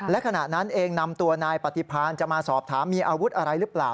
และขณะนั้นเองนำตัวนายปฏิพาณจะมาสอบถามมีอาวุธอะไรหรือเปล่า